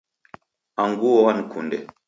Anguo wankunde.